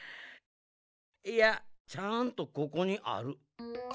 いやちゃんとここにある。